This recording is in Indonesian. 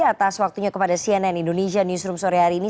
atas waktunya kepada cnn indonesia newsroom sore hari ini